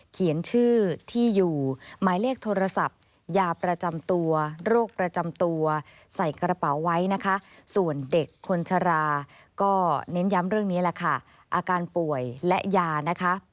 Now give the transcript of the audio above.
ก็เน้นย้ำเรื่องนี้แหละค่ะอาการป่วยและยานะคะ